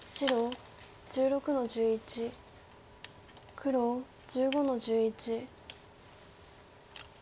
黒１５の十一。